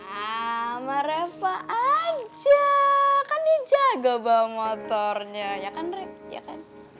nah sama reva aja kan dia jaga bahan motornya ya kan rey ya kan